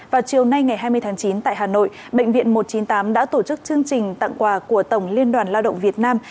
vào chiều nay ngày hai mươi tháng chín tại hà nội bệnh viện một trăm chín mươi tám đã tổ chức chương trình tặng quà của tổng liên đoàn lao động việt nam